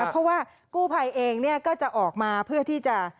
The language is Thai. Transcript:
เพราะว่ากู้ภัยเองก็จะออกมาเพื่อที่จะ